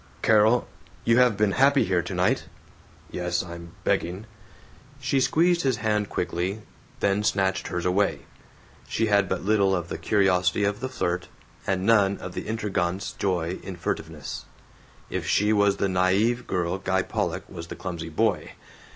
"Carol! You have been happy here tonight? (Yes. I'm begging!)" She squeezed his hand quickly, then snatched hers away. She had but little of the curiosity of the flirt, and none of the intrigante's joy in furtiveness. If she was the naive girl, Guy Pollock was the clumsy boy.